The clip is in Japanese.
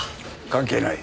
関係ない。